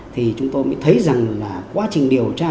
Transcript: thì chúng tôi mới thấy rằng là quá trình điều tra